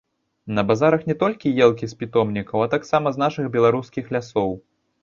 На базарах не толькі елкі з пітомнікаў, а таксама з нашых беларускіх лясоў.